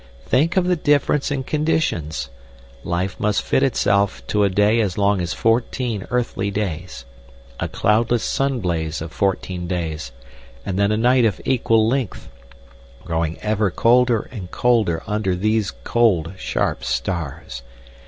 Think of the difference in conditions! Life must fit itself to a day as long as fourteen earthly days, a cloudless sun blaze of fourteen days, and then a night of equal length, growing ever colder and colder under these cold, sharp stars.